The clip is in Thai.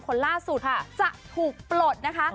คนล่าสุดจะถูกปลดนะคะ